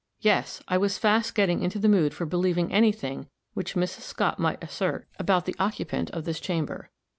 Yes! I was fast getting into the mood for believing any thing which Mrs. Scott might assert about the occupant of this chamber.